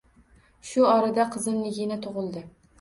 Shu orada qizim Nigina tug`ildi